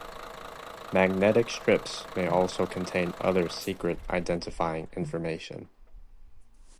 Magnetic strips may also contain other secret identifying information.